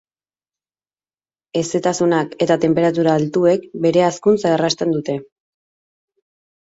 Hezetasunak eta tenperatura altuek bere hazkuntza errazten dute.